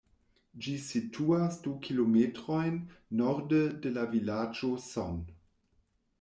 Ĝi situas du kilometrojn norde de la vilaĝo Son.